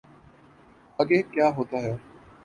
آگے کیا ہوتا ہے۔